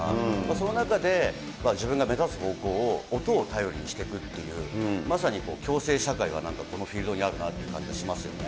その中で自分が目指す方向を音を頼りにしていくっていう、まさに共生社会がこのフィールドの中にあるなという気がしますよね。